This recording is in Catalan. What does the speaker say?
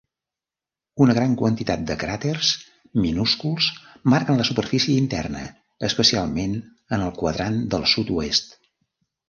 Una gran quantitat de cràters minúsculs marquen la superfície interna, especialment en el quadrant del sud-oest.